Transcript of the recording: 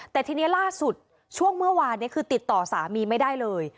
แต่ทีนี้ล่าสุดช่วงเมื่อวานนี้คือติดต่อสามีไม่ได้เลย